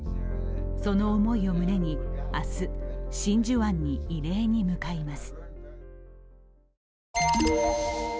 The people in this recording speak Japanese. その思いを胸に、明日、真珠湾に慰霊に向かいます。